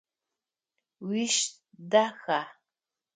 Уиш даха?